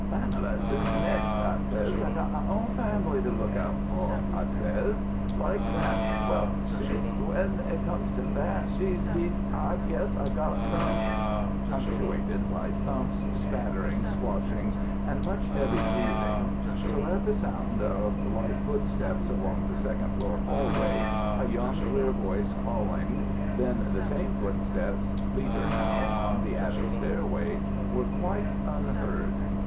"'Families is nix,' I says. 'I got my own family to look out fuh,' I says. Like that. 'Well,' s's he, 'w'en it comes to that,' s's he, 'I guess I got some '" Punctuated by thumps, spatterings, swashings and much heavy breathing, so that the sound of light footsteps along the second floor hallway, a young clear voice calling, then the same footsteps, fleeter now, on the attic stairway, were quite unheard.